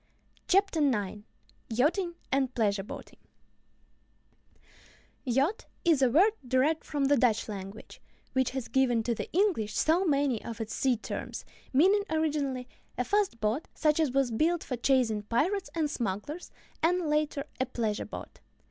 ] CHAPTER IX YACHTING AND PLEASURE BOATING Yacht is a word derived from the Dutch language, which has given to the English so many of its sea terms, meaning, originally, a fast boat, such as was built for chasing pirates and smugglers, and, later, a pleasure boat.